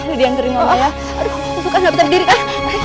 aduh aku susah gak bisa berdiri kan